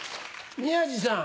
宮治さん。